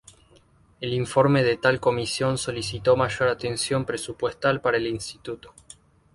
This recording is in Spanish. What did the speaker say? El informe de tal comisión solicitó mayor atención presupuestal para el Instituto.